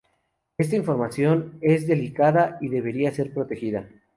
Esta información es delicada y debería ser protegida.